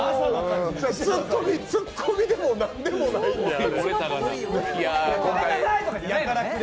ツッコミでも何でもないんで、あれ。